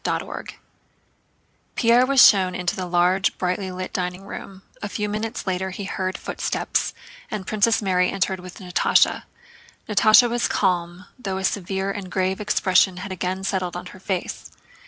CHAPTER XVII Pierre was shown into the large, brightly lit dining room; a few minutes later he heard footsteps and Princess Mary entered with Natásha. Natásha was calm, though a severe and grave expression had again settled on her face.